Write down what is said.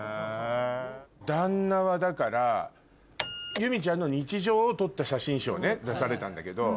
旦那はだから祐実ちゃんの日常を撮った写真集を出されたんだけど。